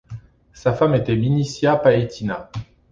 Sa femme était Minicia Paetina.